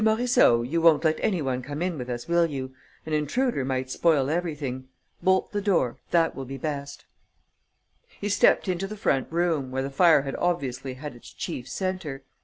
Morisseau, you won't let any one come in with us, will you? An intruder might spoil everything. Bolt the door, that will be best." He stepped into the front room, where the fire had obviously had its chief centre.